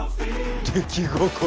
出来心。